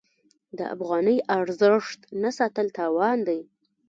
د افغانۍ ارزښت نه ساتل تاوان دی.